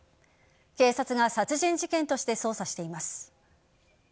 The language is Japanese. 警察が殺人事件として捜査しています。